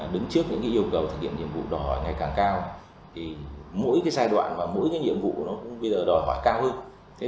đứng trước những yêu cầu thực hiện nhiệm vụ đòi hỏi ngày càng cao mỗi cái giai đoạn và mỗi cái nhiệm vụ nó cũng đòi hỏi cao hơn